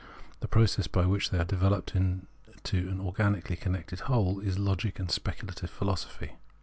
The process by which they are developed into an organically connected whole is Logic and Speculative Philosophy.